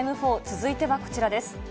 続いてはこちらです。